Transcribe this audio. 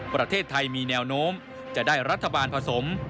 ประเทศไทยมีแนวโน้มจะได้รัฐบาลผสม